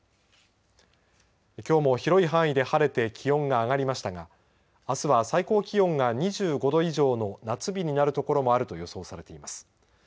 きょうも広い範囲で晴れて気温が上がりましたがあすは最高気温が２５度以上の夏日になる所もあると予想されています。